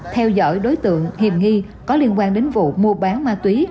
theo dõi đối tượng hiểm nghi có liên quan đến vụ mua bán ma túy